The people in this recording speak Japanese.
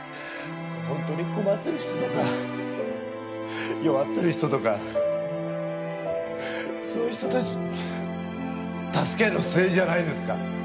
本当に困ってる人とか弱ってる人とかそういう人たち助けるの政治じゃないんですか？